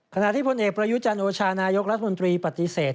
ขณะที่พลเอกประยุจันโอชานายกรัฐมนตรีปฏิเสธ